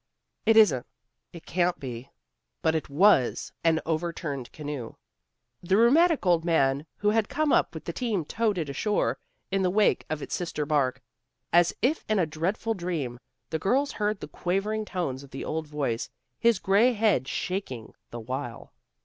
It isn't it can't be " But it was an overturned canoe. The rheumatic old man who had come up with the team towed it ashore, in the wake of its sister bark. As if in a dreadful dream, the girls heard the quavering tones of the old voice, his gray head shaking the while.